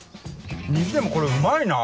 にしてもこれうまいな！